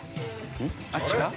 あっ違う？